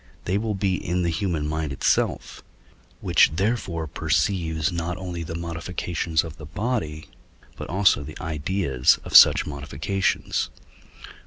they will be in the human mind itself, which therefore perceives not only the modifications of the body, but also the ideas of such modifications.